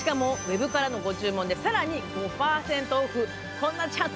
こんなチャンス